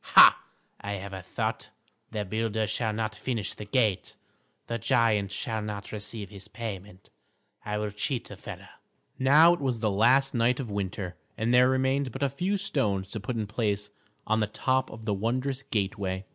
Ha! I have a thought! The builder shall not finish the gate; the giant shall not receive his payment. I will cheat the fellow." Now it was the last night of winter, and there remained but a few stones to put in place on the top of the wondrous gateway.